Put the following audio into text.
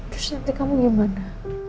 terus nanti kamu gimana